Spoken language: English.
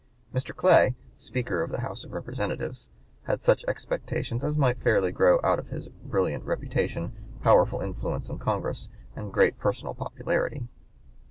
Mr. Clay, Speaker of the House of Representatives, had such expectations as might fairly grow out of his brilliant reputation, powerful influence in Congress, and great personal popularity.